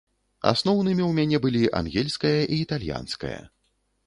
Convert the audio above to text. Асноўнымі ў мяне былі ангельская і італьянская.